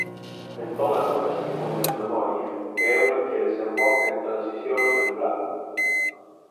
Entón atópaste con Desmemoria, que é unha que desemboca en Transición Exemplar.